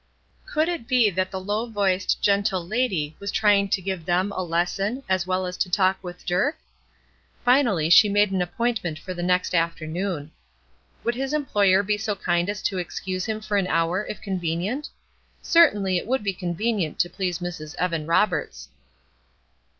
Could it be that the low voiced, gentle lady was trying to give them a lesson as well as to talk with Dirk? Finally she made an appointment for the next afternoon. Would his employer be so kind as to excuse him for an hour, if convenient? Certainly, it would be convenient to please Mrs. Evan Roberts.